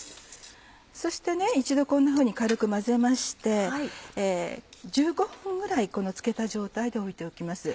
そして一度こんなふうに軽く混ぜまして１５分ぐらいこのつけた状態で置いておきます。